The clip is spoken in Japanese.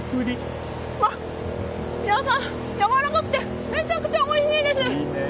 やわらかくてめちゃくちゃおいしいです！